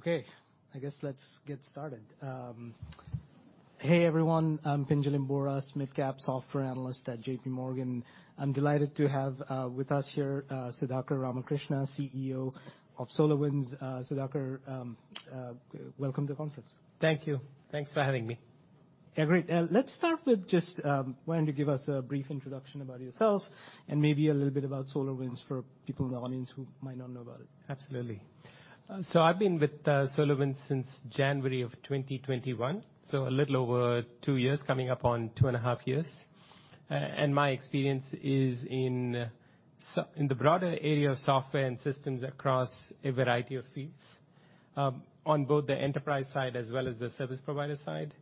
Okay, I guess let's get started. Hey, everyone, I'm Pinjalim Bora, midcap software analyst at JPMorgan. I'm delighted to have with us here Sudhakar Ramakrishna, CEO of SolarWinds. Sudhakar, welcome to the conference. Thank you. Thanks for having me. Yeah, great. Let's start with just, why don't you give us a brief introduction about yourself and maybe a little bit about SolarWinds for people in the audience who might not know about it? Absolutely. I've been with SolarWinds since January of 2021, a little over two years, coming up on 2.5 years. My experience is in the broader area of software and systems across a variety of fields, on both the enterprise side as well as the service provider side,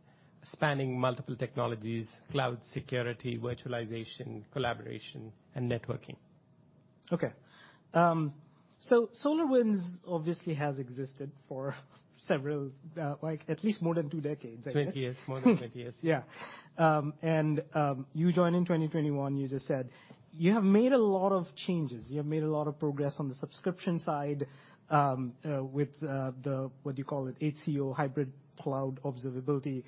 spanning multiple technologies, cloud security, virtualization, collaboration, and networking. Okay. SolarWinds obviously has existed for several, at least more than two decades. 20 years. More than 20 years. Yeah. You joined in 2021, you just said. You have made a lot of changes. You have made a lot of progress on the subscription side, with what do you call it? HCO, Hybrid Cloud Observability.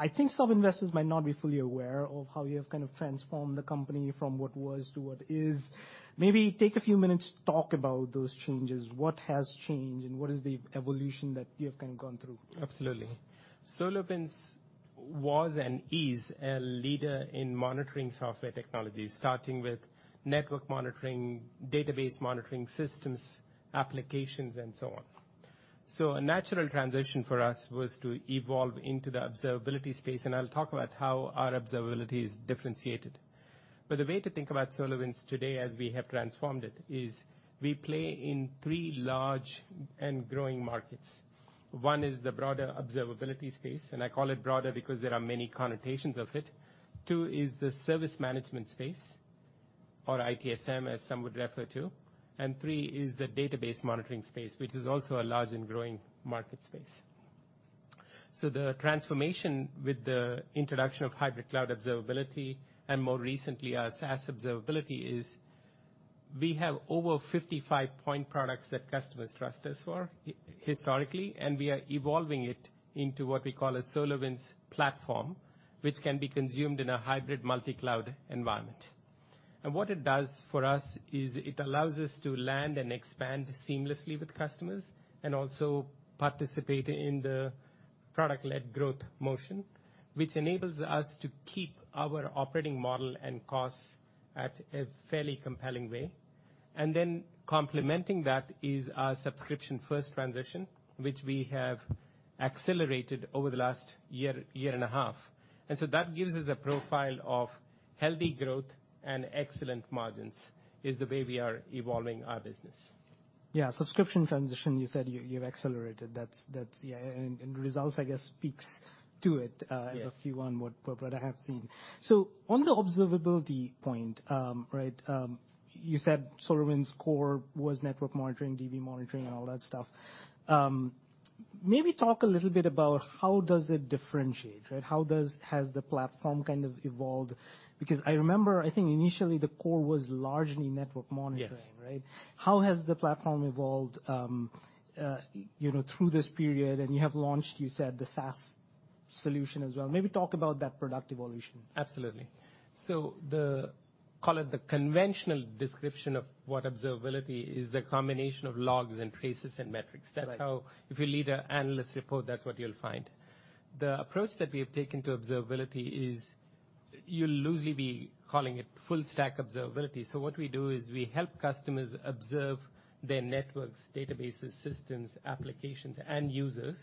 I think some investors might not be fully aware of how you have kind of transformed the company from what was to what is. Maybe take a few minutes to talk about those changes. What has changed and what is the evolution that you have, kind of, gone through? Absolutely. SolarWinds was and is a leader in monitoring software technology, starting with network monitoring, database monitoring systems, applications and so on. A natural transition for us was to evolve into the observability space, and I'll talk about how our observability is differentiated. The way to think about SolarWinds today as we have transformed it is we play in three large and growing markets. One is the broader observability space, and I call it broader because there are many connotations of it. Two is the service management space, or ITSM as some would refer to. Three is the database monitoring space, which is also a large and growing market space. The transformation with the introduction of Hybrid Cloud Observability, and more recently our SaaS observability, is we have over 55 point products that customers trust us for historically, we are evolving it into what we call a SolarWinds Platform, which can be consumed in a hybrid multi-cloud environment. What it does for us is it allows us to land and expand seamlessly with customers and also participate in the product-led growth motion, which enables us to keep our operating model and costs at a fairly compelling way. Complementing that is our subscription first transition, which we have accelerated over the last year and a half. That gives us a profile of healthy growth and excellent margins, is the way we are evolving our business. Yeah. Subscription transition, you said you've accelerated. That's. Yeah, results, I guess, speaks to it. Yes ...as a few on what I have seen. On the observability point, right, you said SolarWinds' core was network monitoring, DB monitoring, and all that stuff. Maybe talk a little bit about how does it differentiate, right? How has the platform kind of evolved? I remember, I think initially the core was largely network monitoring- Yes ...right? How has the platform evolved, you know, through this period? You have launched, you said, the SaaS solution as well. Maybe talk about that product evolution. Absolutely. Call it the conventional description of what observability is the combination of logs and traces and metrics. Right. That's how, if you read an analyst report, that's what you'll find. The approach that we have taken to observability is you'll loosely be calling it full-stack observability. What we do is we help customers observe their networks, databases, systems, applications and users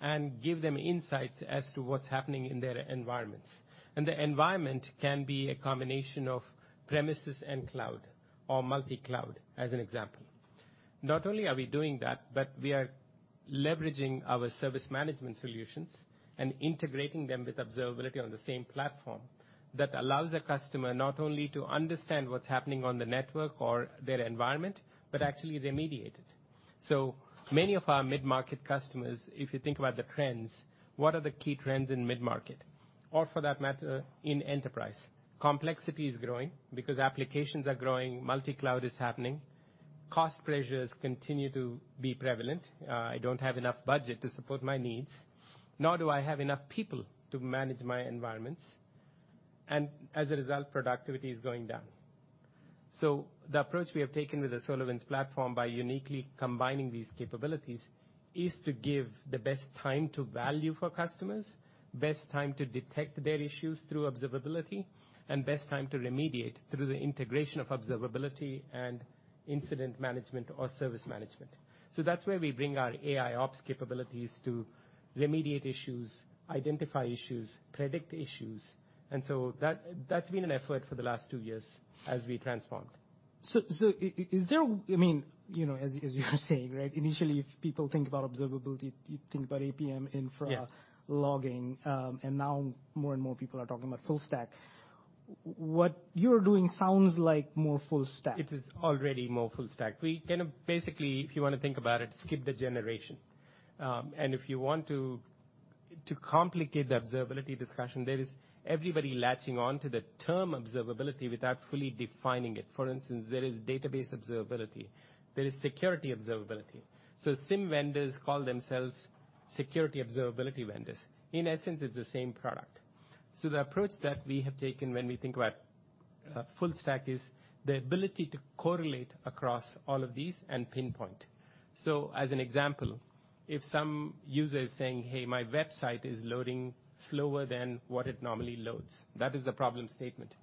and give them insights as to what's happening in their environments. The environment can be a combination of premises and cloud or multi-cloud, as an example. Not only are we doing that, but we are leveraging our service management solutions and integrating them with observability on the same platform. That allows the customer not only to understand what's happening on the network or their environment, but actually remediate it. Many of our mid-market customers, if you think about the trends, what are the key trends in mid-market or for that matter in enterprise? Complexity is growing because applications are growing, multi-cloud is happening. Cost pressures continue to be prevalent. I don't have enough budget to support my needs, nor do I have enough people to manage my environments, and as a result, productivity is going down. The approach we have taken with the SolarWinds Platform by uniquely combining these capabilities is to give the best time to value for customers, best time to detect their issues through observability, and best time to remediate through the integration of observability and incident management or service management. That's where we bring our AIOps capabilities to remediate issues, identify issues, predict issues. That's been an effort for the last two years as we transformed. Is there... I mean, you know, as you were saying, right, initially if people think about observability, think about APM. Yeah ...logging, now more and more people are talking about full stack. What you're doing sounds like more full stack. It is already more full-stack. We kind of basically, if you wanna think about it, skip the generation. To complicate the observability discussion, there is everybody latching onto the term observability without fully defining it. For instance, there is database observability, there is security observability. Some vendors call themselves security observability vendors. In essence, it's the same product. The approach that we have taken when we think about full-stack is the ability to correlate across all of these and pinpoint. As an example, if some user is saying, "Hey, my website is loading slower than what it normally loads," that is the problem statement.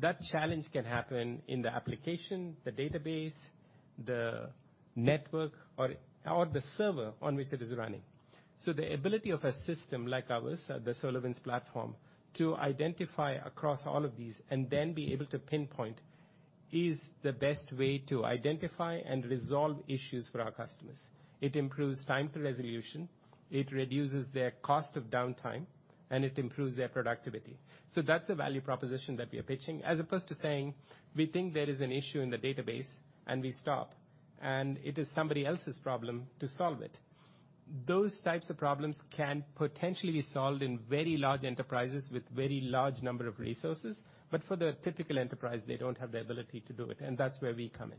That challenge can happen in the application, the database, the network, or the server on which it is running. The ability of a system like ours, the SolarWinds Platform, to identify across all of these and then be able to pinpoint is the best way to identify and resolve issues for our customers. It improves time to resolution, it reduces their cost of downtime, and it improves their productivity. That's the value proposition that we are pitching, as opposed to saying, we think there is an issue in the database and we stop, and it is somebody else's problem to solve it. Those types of problems can potentially be solved in very large enterprises with very large number of resources. For the typical enterprise, they don't have the ability to do it, and that's where we come in.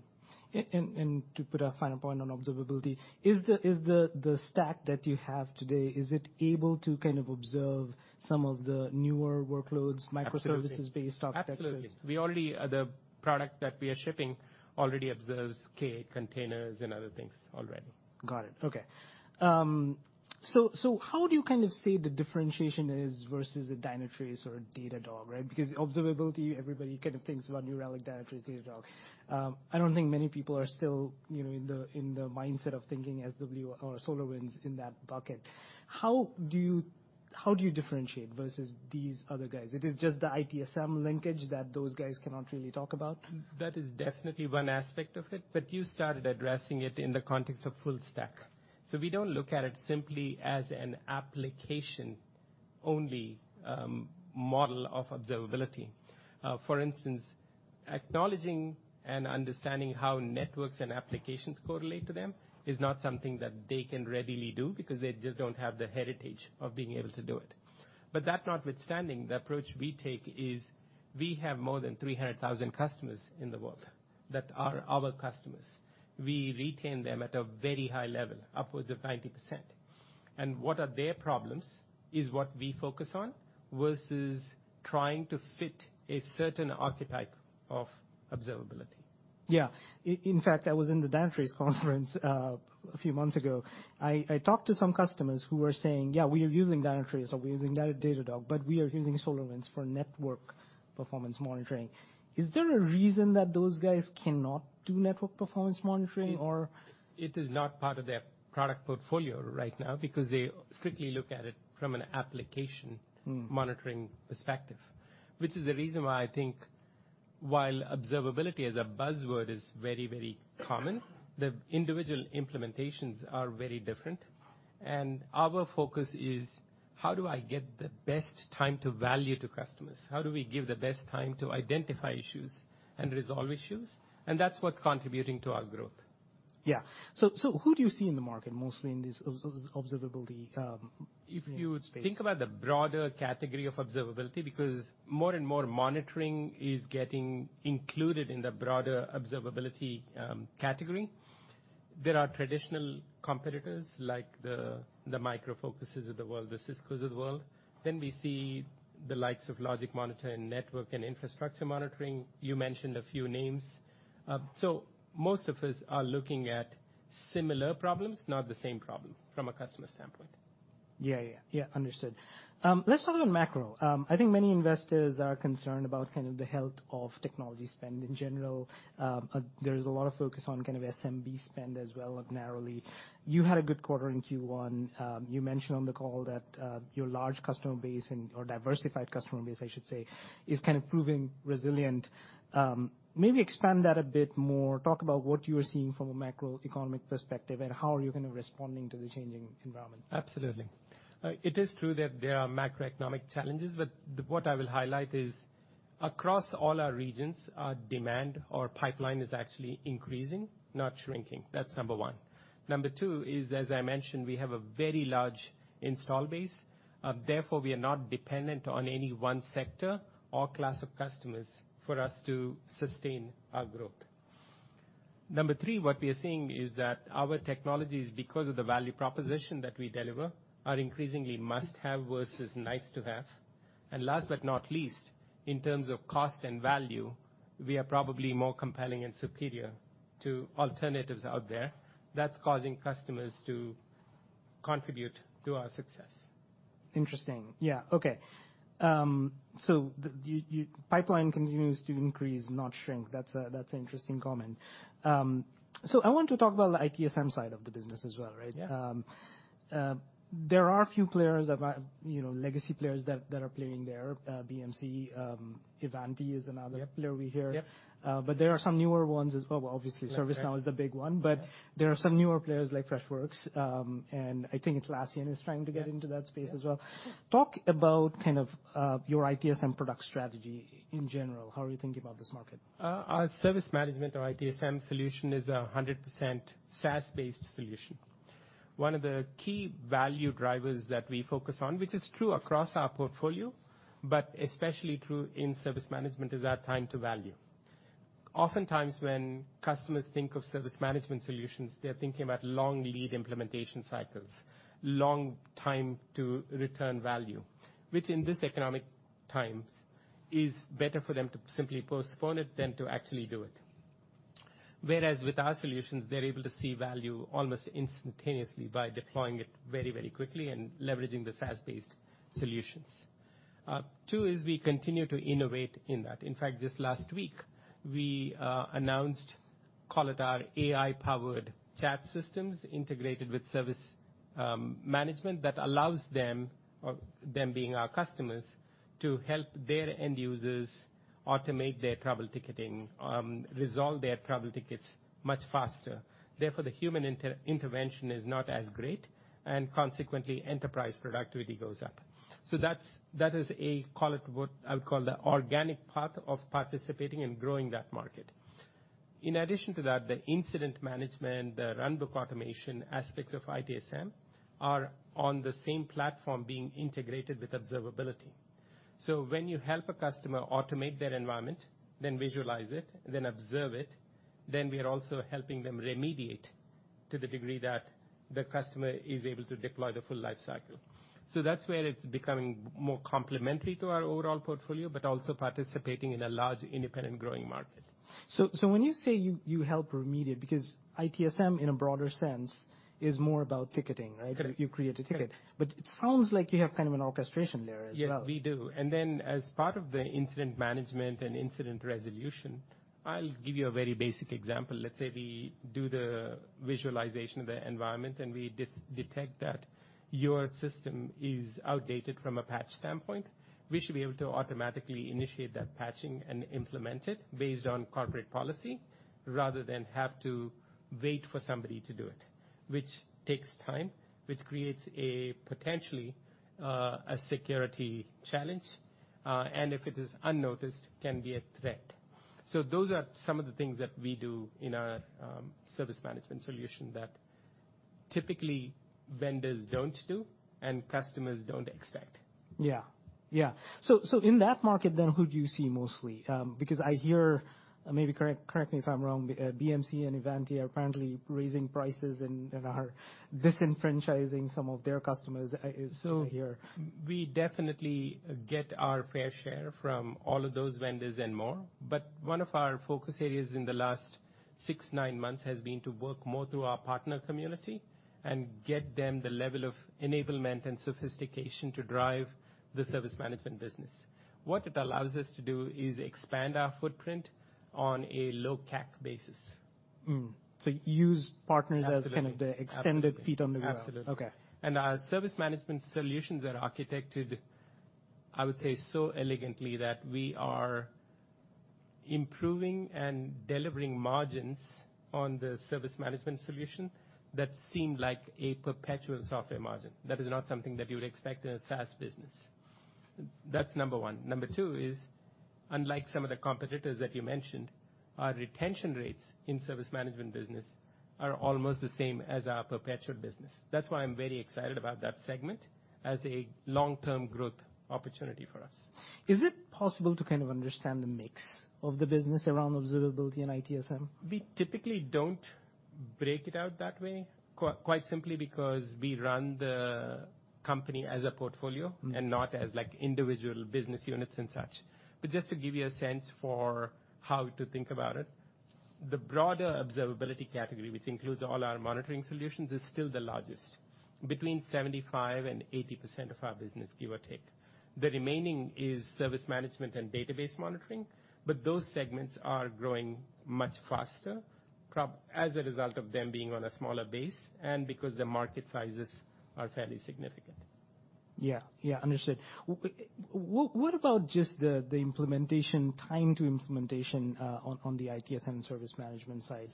To put a final point on observability, is the stack that you have today, is it able to kind of observe some of the newer workloads... Absolutely. microservices based architectures? Absolutely. The product that we are shipping already observes Kubernetes containers and other things already. Got it. Okay. So how do you kind of say the differentiation is versus a Dynatrace or a Datadog, right? Observability, everybody kind of thinks about New Relic, Dynatrace, Datadog. I don't think many people are still, you know, in the, in the mindset of thinking SW or SolarWinds in that bucket. How do you differentiate versus these other guys? It is just the ITSM linkage that those guys cannot really talk about. That is definitely one aspect of it. You started addressing it in the context of full stack. We don't look at it simply as an application-only model of observability. For instance, acknowledging and understanding how networks and applications correlate to them is not something that they can readily do, because they just don't have the heritage of being able to do it. That notwithstanding, the approach we take is we have more than 300,000 customers in the world that are our customers. We retain them at a very high level, upwards of 90%. What are their problems is what we focus on, versus trying to fit a certain archetype of observability. In fact, I was in the Dynatrace conference a few months ago. I talked to some customers who were saying, "Yeah, we are using Dynatrace or we're using Datadog, but we are using SolarWinds for network performance monitoring." Is there a reason that those guys cannot do network performance monitoring, or? It is not part of their product portfolio right now because they strictly look at it from an application- Mm. monitoring perspective, which is the reason why I think while observability as a buzzword is very, very common, the individual implementations are very different. Our focus is, how do I get the best time to value to customers? How do we give the best time to identify issues and resolve issues? That's what's contributing to our growth. Yeah. Who do you see in the market mostly in this observability space? If you think about the broader category of observability, because more and more monitoring is getting included in the broader observability category, there are traditional competitors like the Micro Focus of the world, the Cisco of the world. We see the likes of LogicMonitor in network and infrastructure monitoring. You mentioned a few names. Most of us are looking at similar problems, not the same problem from a customer standpoint. Yeah, yeah. Yeah, understood. Let's talk about macro. I think many investors are concerned about kind of the health of technology spend in general. There is a lot of focus on kind of SMB spend as well, narrowly. You had a good quarter in Q1. You mentioned on the call that your large customer base and, or diversified customer base, I should say, is kind of proving resilient. Maybe expand that a bit more. Talk about what you are seeing from a macroeconomic perspective and how are you kind of responding to the changing environment? Absolutely. It is true that there are macroeconomic challenges, but what I will highlight is across all our regions, our demand or pipeline is actually increasing, not shrinking. That's Number one. Number two is, as I mentioned, we have a very large install base, therefore, we are not dependent on any one sector or class of customers for us to sustain our growth. Number three, what we are seeing is that our technologies, because of the value proposition that we deliver, are increasingly must-have versus nice-to-have. Last but not least, in terms of cost and value, we are probably more compelling and superior to alternatives out there. That's causing customers to contribute to our success. Interesting. Yeah. Okay. The Pipeline continues to increase, not shrink. That's a, that's an interesting comment. I want to talk about the ITSM side of the business as well, right? Yeah. There are a few players, you know, legacy players that are playing there. BMC, Ivanti is another. Yep. player we hear. Yep. There are some newer ones as well. Right. ServiceNow is the big one. Yeah. There are some newer players like Freshworks, and I think Atlassian is trying to get into that space as well. Yeah. Talk about kind of your ITSM product strategy in general. How are you thinking about this market? Our service management or ITSM solution is a 100% SaaS-based solution. One of the key value drivers that we focus on, which is true across our portfolio, but especially true in service management, is our time to value. Oftentimes, when customers think of service management solutions, they're thinking about long lead implementation cycles, long time to return value, which in this economic times is better for them to simply postpone it than to actually do it. Whereas with our solutions, they're able to see value almost instantaneously by deploying it very, very quickly and leveraging the SaaS-based solutions. Two is we continue to innovate in that. In fact, just last week, we announced, call it our AI-powered chat systems integrated with service management that allows them, or them being our customers, to help their end users automate their travel ticketing, resolve their travel tickets much faster. The human inter-intervention is not as great, and consequently, enterprise productivity goes up. That's, that is a, call it what I'll call the organic part of participating and growing that market. In addition to that, the incident management, the runbook automation aspects of ITSM are on the same platform being integrated with observability. When you help a customer automate their environment, then visualize it, then observe it, then we are also helping them remediate to the degree that the customer is able to deploy the full life cycle. That's where it's becoming more complementary to our overall portfolio, but also participating in a large, independent, growing market. When you say you help remediate, because ITSM in a broader sense is more about ticketing, right? Correct. You create a ticket. Correct. It sounds like you have kind of an orchestration layer as well. Yes, we do. As part of the incident management and incident resolution, I'll give you a very basic example. Let's say we do the visualization of the environment, and we detect that your system is outdated from a patch standpoint. We should be able to automatically initiate that patching and implement it based on corporate policy, rather than have to wait for somebody to do it, which takes time, which creates a potentially, a security challenge, and if it is unnoticed, can be a threat. Those are some of the things that we do in our service management solution that typically vendors don't do and customers don't expect. Yeah. Yeah. In that market, then, who do you see mostly? Because I hear, maybe correct me if I'm wrong, BMC and Ivanti are apparently raising prices and are disenfranchising some of their customers, I is what I hear. We definitely get our fair share from all of those vendors and more, but one of our focus areas in the last six, nine months has been to work more through our partner community and get them the level of enablement and sophistication to drive the service management business. What it allows us to do is expand our footprint on a low CAC basis. Mm. So use partners- Absolutely. As kind of the extended feet on the ground. Absolutely. Okay. Our service management solutions are architected, I would say, so elegantly that we are improving and delivering margins on the service management solution that seem like a perpetual software margin. That is not something that you would expect in a SaaS business. That's number one. Number two is, unlike some of the competitors that you mentioned, our retention rates in service management business are almost the same as our perpetual business. That's why I'm very excited about that segment as a long-term growth opportunity for us. Is it possible to kind of understand the mix of the business around observability and ITSM? We typically don't break it out that way, quite simply because we run the company as a portfolio- Mm-hmm. Not as, like, individual business units and such. Just to give you a sense for how to think about it, the broader observability category, which includes all our monitoring solutions, is still the largest. Between 75% and 80% of our business, give or take. The remaining is service management and database monitoring, but those segments are growing much faster as a result of them being on a smaller base and because the market sizes are fairly significant. Yeah. Yeah, understood. What about just the implementation, time to implementation, on the ITSM service management side?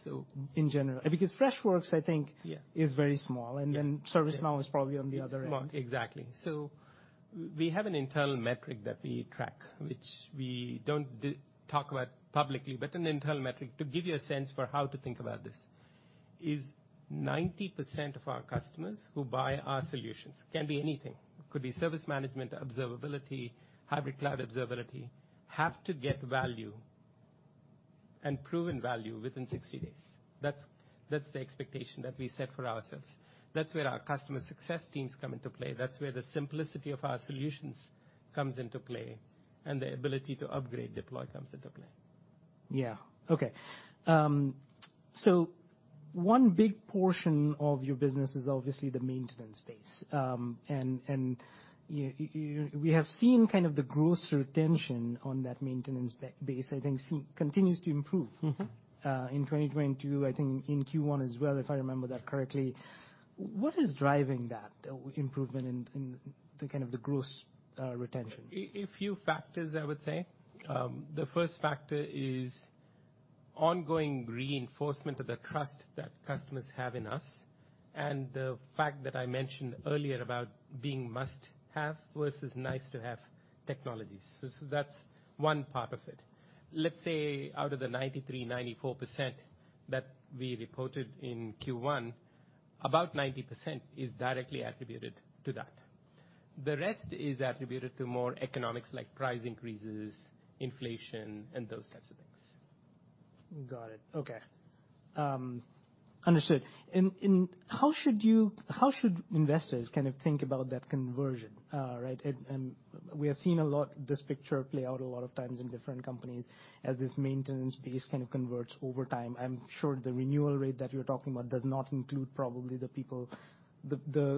In general. Freshworks, I think- Yeah. Is very small. Yeah. ServiceNow is probably on the other end. Small. Exactly. We have an internal metric that we track, which we don't talk about publicly, but an internal metric to give you a sense for how to think about this is 90% of our customers who buy our solutions, can be anything, could be service management, observability, Hybrid Cloud Observability, have to get value and proven value within 60 days. That's the expectation that we set for ourselves. That's where our customer success teams come into play. That's where the simplicity of our solutions comes into play, and the ability to upgrade, deploy comes into play. Yeah. Okay. One big portion of your business is obviously the maintenance base. We have seen kind of the gross retention on that maintenance base, I think continues to improve. Mm-hmm. In 2022, I think in Q1 as well, if I remember that correctly. What is driving that improvement in the kind of the gross retention? A few factors, I would say. The first factor is ongoing reinforcement of the trust that customers have in us and the fact that I mentioned earlier about being must-have versus nice-to-have technologies. That's one part of it. Let's say out of the 93%, 94% that we reported in Q1, about 90% is directly attributed to that. The rest is attributed to more economics, like price increases, inflation, and those types of things. Got it. Okay. Understood. How should investors kind of think about that conversion, right? We have seen a lot this picture play out a lot of times in different companies as this maintenance base kind of converts over time. I'm sure the renewal rate that you're talking about does not include probably the people - the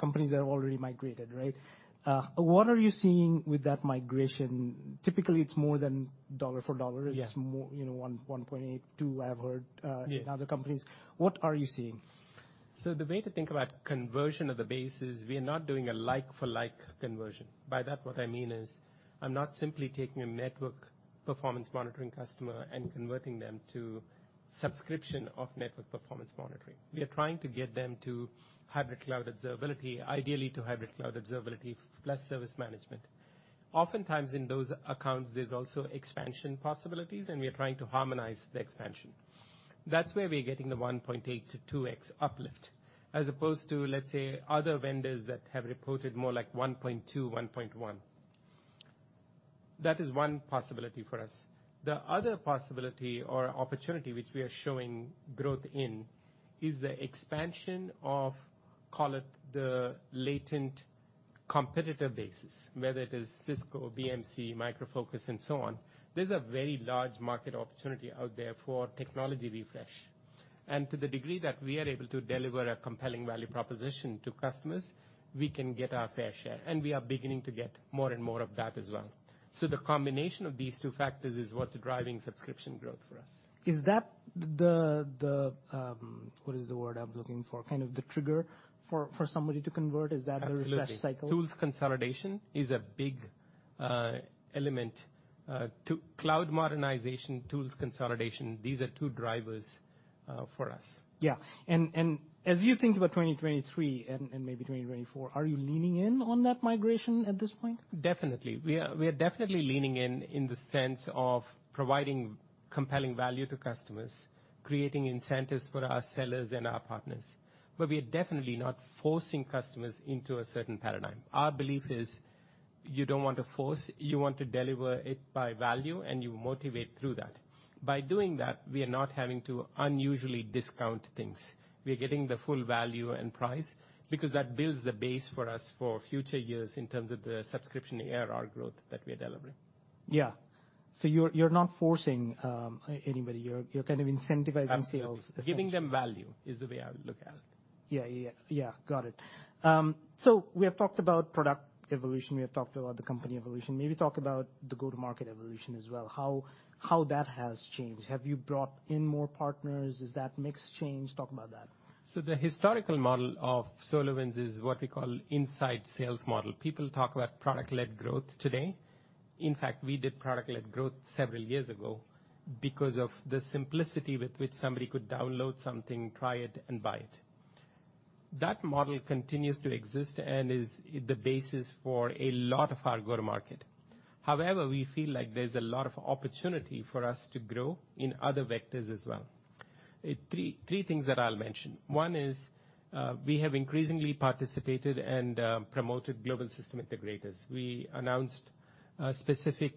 companies that have already migrated, right? What are you seeing with that migration? Typically, it's more than dollar for dollar. Yeah. It's more, you know, 1.82 I have heard. Yeah. in other companies. What are you seeing? The way to think about conversion of the base is we are not doing a like for like conversion. By that, what I mean is, I'm not simply taking a network performance monitoring customer and converting them to subscription of network performance monitoring. We are trying to get them to Hybrid Cloud Observability, ideally to Hybrid Cloud Observability plus service management. Oftentimes in those accounts, there's also expansion possibilities, we are trying to harmonize the expansion. That's where we're getting the 1.8x-2x uplift, as opposed to, let's say, other vendors that have reported more like 1.2, 1.1. That is one possibility for us. The other possibility or opportunity which we are showing growth in is the expansion of, call it, the latent competitive basis, whether it is Cisco, BMC, Micro Focus, and so on. There's a very large market opportunity out there for technology refresh. To the degree that we are able to deliver a compelling value proposition to customers, we can get our fair share, and we are beginning to get more and more of that as well. The combination of these two factors is what's driving subscription growth for us. Is that the... What is the word I'm looking for? Kind of the trigger for somebody to convert? Absolutely. the refresh cycle? Tools consolidation is a big element to cloud modernization, tools consolidation. These are two drivers for us. Yeah. As you think about 2023 and maybe 2024, are you leaning in on that migration at this point? Definitely. We are definitely leaning in the sense of providing compelling value to customers, creating incentives for our sellers and our partners. We are definitely not forcing customers into a certain paradigm. Our belief is you don't want to force, you want to deliver it by value, and you motivate through that. By doing that, we are not having to unusually discount things. We are getting the full value and price because that builds the base for us for future years in terms of the subscription ARR growth that we are delivering. Yeah. you're not forcing anybody. You're kind of incentivizing sales. Absolutely. Giving them value is the way I would look at it. Yeah. Yeah. Yeah. Got it. We have talked about product evolution. We have talked about the company evolution. Maybe talk about the go-to-market evolution as well, how that has changed. Have you brought in more partners? Is that mix changed? Talk about that. The historical model of SolarWinds is what we call inside sales model. People talk about product-led growth today. In fact, we did product-led growth several years ago because of the simplicity with which somebody could download something, try it, and buy it. That model continues to exist and is the basis for a lot of our go-to-market. However, we feel like there's a lot of opportunity for us to grow in other vectors as well. Three things that I'll mention. One is, we have increasingly participated and promoted global system integrators. We announced specific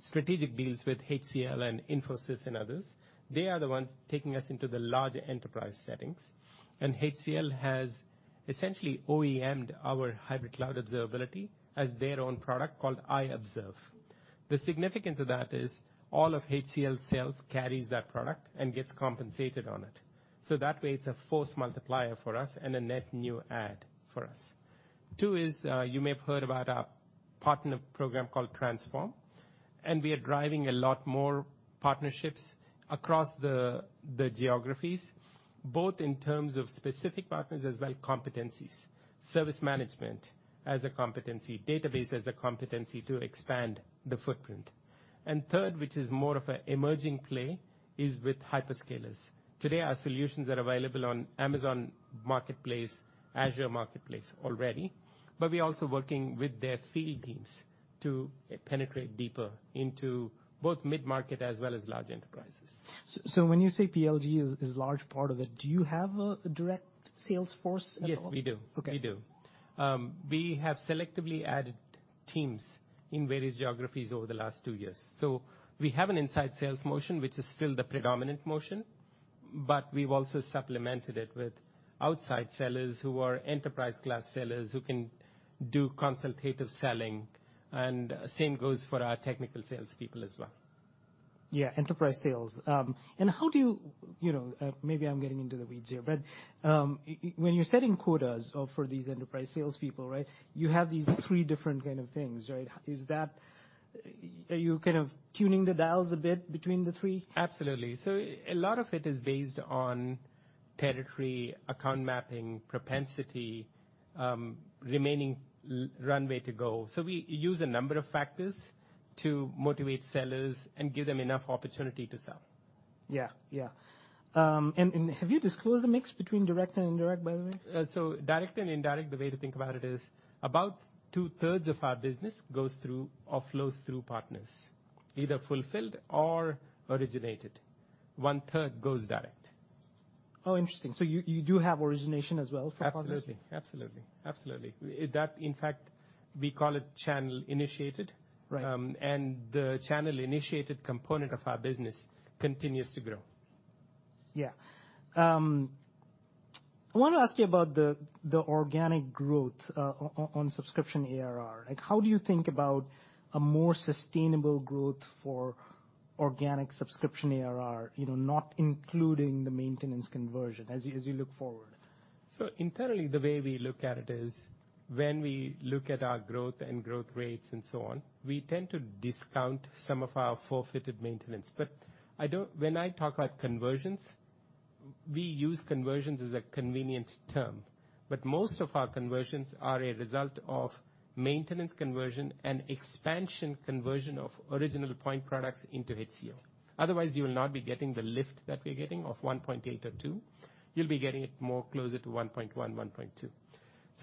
strategic deals with HCO and Infosys and others. They are the ones taking us into the larger enterprise settings. HCO has essentially OEM'd our Hybrid Cloud Observability as their own product called iObserve. The significance of that is all of HCO sales carries that product and gets compensated on it. That way it's a force multiplier for us and a net new add for us. Two is, you may have heard about our partner program called Transform, and we are driving a lot more partnerships across the geographies, both in terms of specific partners as well competencies, service management as a competency, database as a competency to expand the footprint. Third, which is more of a emerging play, is with hyperscalers. Today, our solutions are available on AWS Marketplace, Azure Marketplace already, but we're also working with their field teams to penetrate deeper into both mid-market as well as large enterprises. when you say PLG is a large part of it, do you have a direct sales force at all? Yes, we do. Okay. We do. We have selectively added teams in various geographies over the last two years. We have an inside sales motion, which is still the predominant motion, but we've also supplemented it with outside sellers who are enterprise class sellers who can do consultative selling. Same goes for our technical salespeople as well. Yeah, enterprise sales. How do you know, maybe I'm getting into the weeds here, but when you're setting quotas for these enterprise salespeople, right? You have these three different kind of things, right? Is that... Are you kind of tuning the dials a bit between the three? Absolutely. A lot of it is based on territory, account mapping, propensity, remaining runway to go. We use a number of factors to motivate sellers and give them enough opportunity to sell. Yeah. Yeah. Have you disclosed the mix between direct and indirect, by the way? Direct and indirect, the way to think about it is about 2/3 of our business goes through or flows through partners, either fulfilled or originated. One-third goes direct. Oh, interesting. You do have origination as well for partners? Absolutely. Absolutely. Absolutely. That in fact, we call it channel initiated. Right. The channel initiated component of our business continues to grow. I wanna ask you about the organic growth on subscription ARR. Like how do you think about a more sustainable growth for organic subscription ARR, you know, not including the maintenance conversion as you, as you look forward? Internally, the way we look at it is when we look at our growth and growth rates and so on, we tend to discount some of our forfeited maintenance. I don't. When I talk about conversions, we use conversions as a convenient term. Most of our conversions are a result of maintenance conversion and expansion conversion of original point products into HCO. Otherwise, you'll not be getting the lift that we're getting of 1.8 or two. You'll be getting it more closer to 1.1.2.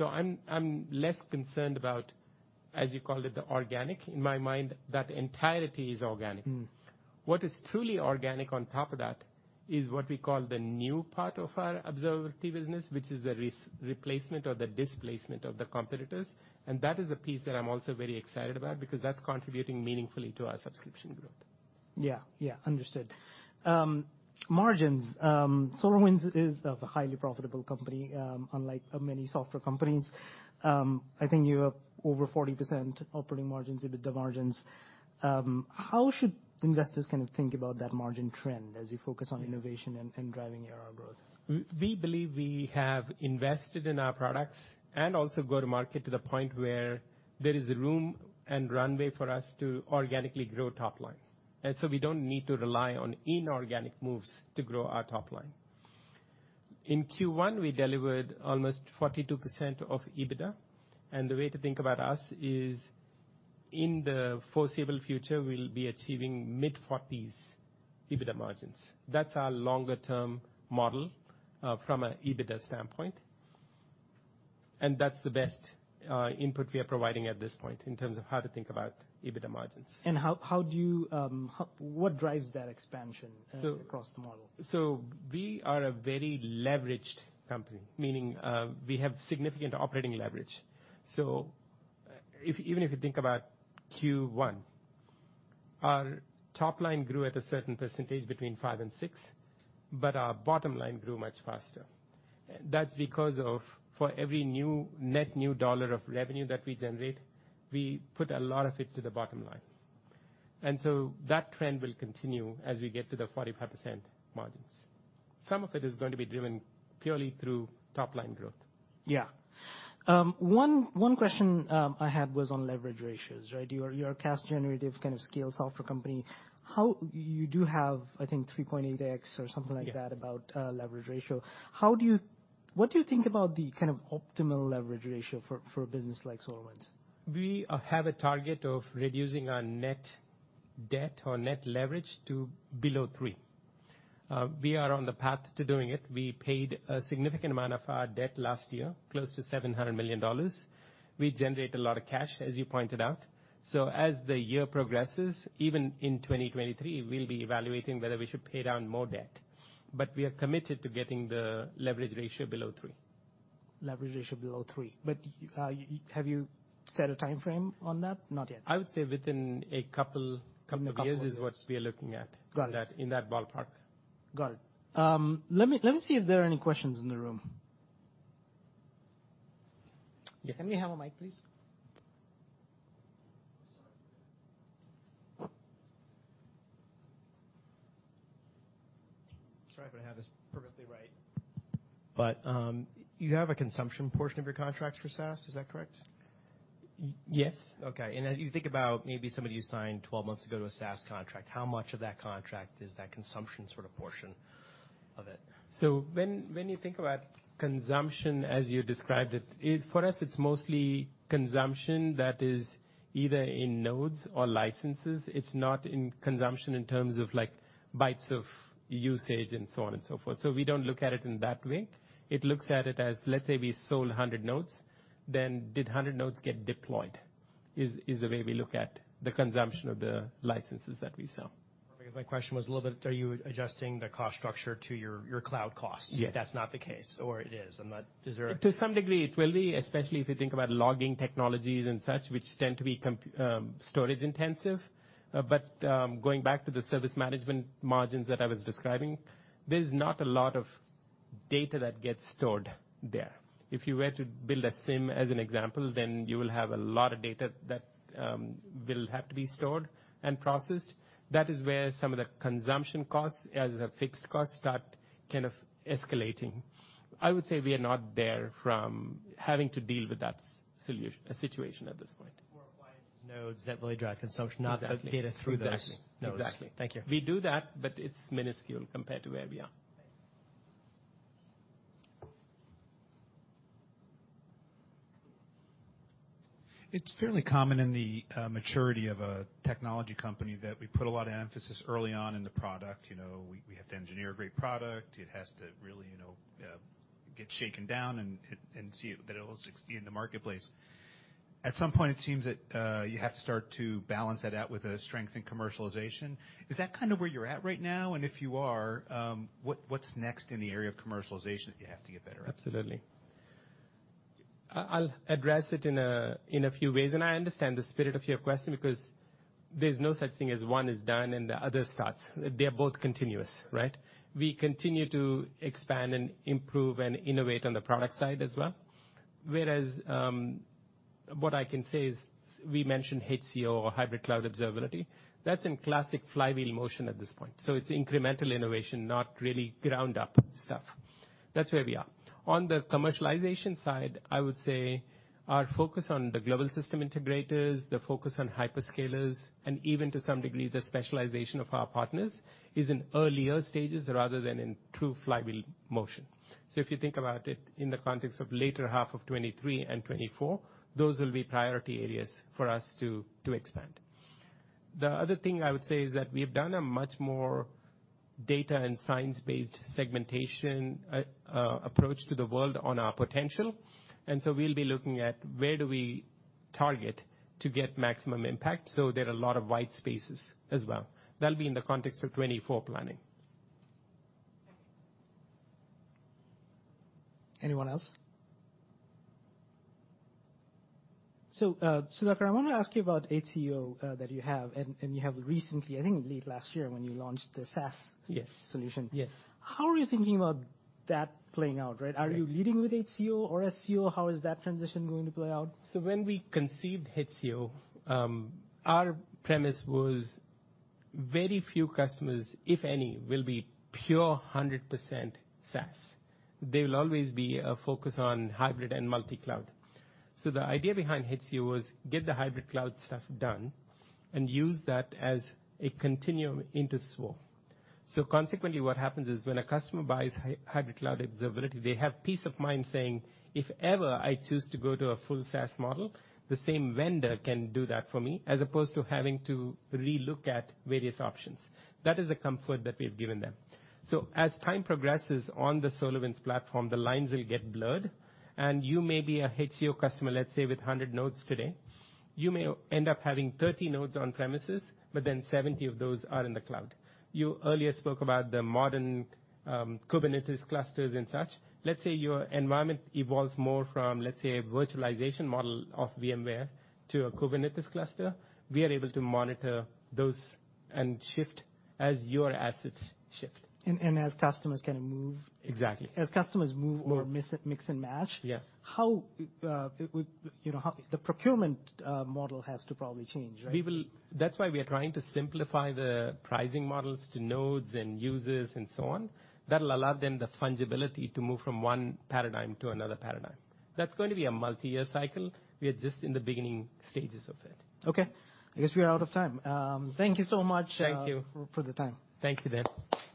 I'm less concerned about, as you call it, the organic. In my mind, that entirety is organic. Mm. What is truly organic on top of that is what we call the new part of our observability business, which is the res-replacement or the displacement of the competitors. That is a piece that I'm also very excited about because that's contributing meaningfully to our subscription growth. Yeah. Yeah. Understood. Margins. SolarWinds is a highly profitable company, unlike many software companies. I think you have over 40% operating margins, EBITDA margins. How should investors kind of think about that margin trend as you focus on innovation and driving ARR growth? We believe we have invested in our products and also go to market to the point where there is room and runway for us to organically grow top line. We don't need to rely on inorganic moves to grow our top line. In Q1, we delivered almost 42% of EBITDA. The way to think about us is, in the foreseeable future, we'll be achieving mid-40s EBITDA margins. That's our longer term model, from a EBITDA standpoint. That's the best input we are providing at this point in terms of how to think about EBITDA margins. How do you, what drives that expansion across the model? We are a very leveraged company, meaning, we have significant operating leverage. If, even if you think about Q1, our top line grew at a certain percentage between 5% and 6%, but our bottom line grew much faster. That's because of, for every new, net new dollar of revenue that we generate, we put a lot of it to the bottom line. That trend will continue as we get to the 45% margins. Some of it is going to be driven purely through top line growth. Yeah. One question, I had was on leverage ratios, right? You're a cash generative kind of scale software company. You do have, I think, 3.8x or something like that. Yeah. about, leverage ratio. What do you think about the kind of optimal leverage ratio for a business like SolarWinds? We have a target of reducing our net debt or net leverage to below three. We are on the path to doing it. We paid a significant amount of our debt last year, close to $700 million. We generate a lot of cash, as you pointed out. As the year progresses, even in 2023, we'll be evaluating whether we should pay down more debt. We are committed to getting the leverage ratio below three. Leverage ratio below three. Have you set a timeframe on that? Not yet. I would say within a couple of years is what we are looking at. Got it. In that ballpark. Got it. Let me see if there are any questions in the room. Yes. Can we have a mic, please? Sorry if I have this perfectly right. You have a consumption portion of your contracts for SaaS, is that correct? Yes. Okay. As you think about maybe somebody you signed 12 months ago to a SaaS contract, how much of that contract is that consumption sort of portion of it? When you think about consumption as you described it, for us, it's mostly consumption that is either in nodes or licenses. It's not in consumption in terms of like bytes of usage and so on and so forth. We don't look at it in that way. It looks at it as, let's say we sold 100 nodes, then did 100 nodes get deployed, is the way we look at the consumption of the licenses that we sell. My question was a little bit, are you adjusting the cost structure to your cloud costs? Yes. That's not the case or it is? I'm not Is there To some degree, it will be, especially if you think about logging technologies and such, which tend to be storage intensive. Going back to the service management margins that I was describing, there's not a lot of data that gets stored there. If you were to build a SIEM as an example, you will have a lot of data that will have to be stored and processed. That is where some of the consumption costs as a fixed cost start kind of escalating. I would say we are not there from having to deal with that situation at this point. More appliances, nodes that really drive consumption. Exactly. not the data through those nodes. Exactly. Thank you. We do that, but it's minuscule compared to where we are. It's fairly common in the maturity of a technology company that we put a lot of emphasis early on in the product. You know, we have to engineer a great product. It has to really get shaken down and see that it will succeed in the marketplace. At some point, it seems that you have to start to balance that out with a strength in commercialization. Is that kind of where you're at right now? If you are, what's next in the area of commercialization that you have to get better at? Absolutely. I'll address it in a, in a few ways, and I understand the spirit of your question because there's no such thing as one is done and the other starts. They're both continuous, right? We continue to expand and improve and innovate on the product side as well. Whereas, what I can say is we mentioned HCO or Hybrid Cloud Observability. That's in classic flywheel motion at this point. So it's incremental innovation, not really ground up stuff. That's where we are. On the commercialization side, I would say our focus on the global system integrators, the focus on hyperscalers, and even to some degree, the specialization of our partners, is in earlier stages rather than in true flywheel motion. So if you think about it in the context of later half of 2023 and 2024, those will be priority areas for us to expand. The other thing I would say is that we have done a much more data and science-based segmentation approach to the world on our potential. We'll be looking at where do we target to get maximum impact so there are a lot of white spaces as well. That'll be in the context of 2024 planning. Anyone else? Sudhakar, I wanna ask you about HCO, that you have and you have recently, I think late last year when you launched the SaaS. Yes. -solution. Yes. How are you thinking about that playing out, right? Are you leading with HCO or SWO? How is that transition going to play out? When we conceived HCO, our premise was very few customers, if any, will be pure 100% SaaS. They'll always be a focus on hybrid and multi-cloud. The idea behind HCO was get the hybrid cloud stuff done and use that as a continuum into SWO. Consequently, what happens is, when a customer buys Hybrid Cloud Observability, they have peace of mind saying, "If ever I choose to go to a full SaaS model, the same vendor can do that for me," as opposed to having to relook at various options. That is the comfort that we've given them. As time progresses on the SolarWinds Platform, the lines will get blurred, and you may be a HCO customer, let's say with 100 nodes today. You may end up having 30 nodes on premises, but then 70 of those are in the cloud. You earlier spoke about the modern Kubernetes clusters and such. Let's say your environment evolves more from, let's say, a virtualization model of VMware to a Kubernetes cluster. We are able to monitor those and shift as your assets shift. As customers kinda move? Exactly. As customers move or mix and match. Yeah. -how, you know, the procurement, model has to probably change, right? That's why we are trying to simplify the pricing models to nodes and users and so on. That'll allow them the fungibility to move from one paradigm to another paradigm. That's going to be a multi-year cycle. We are just in the beginning stages of it. Okay. I guess we are out of time. Thank you so much. Thank you. for the time. Thank you, Dev.